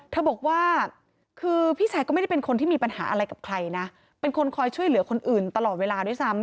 เธอบอกว่าคือพี่ชายก็ไม่ได้เป็นคนที่มีปัญหาอะไรกับใครนะเป็นคนคอยช่วยเหลือคนอื่นตลอดเวลาด้วยซ้ำ